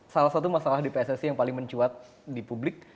salah satu masalah di pssi yang paling mencuat di publik